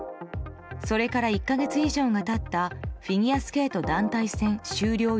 それから１か月以上が経ったフィギュアスケート団体戦終了